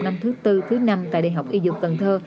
năm thứ tư thứ năm tại đại học y dược cần thơ